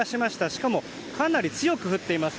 しかもかなり強く降っています。